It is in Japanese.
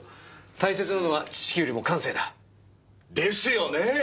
大切なのは知識よりも感性だ。ですよねぇ。